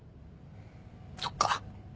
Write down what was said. そっか